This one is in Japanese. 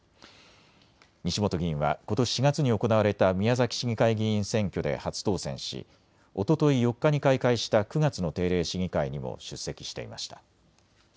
西本議員はことし４月に行われた宮崎市議会議員選挙で初当選しおととい４日に開会した９月の定例市議会にも出席していました。